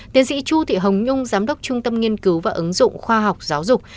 tiến sĩ chu thị hồng nhung giám đốc trung tâm nghiên cứu và ứng dụng khoa học giáo dục